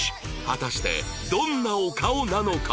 果たしてどんなお顔なのか？